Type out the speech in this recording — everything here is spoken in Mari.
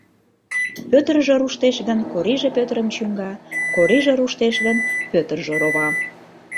Пӧтыржӧ руштеш гын, Кориже Пӧтырым чӱҥга, Кориже руштеш гын, Пӧтыржӧ рова.